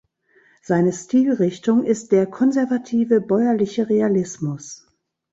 Seine Stilrichtung ist der konservative, bäuerliche Realismus.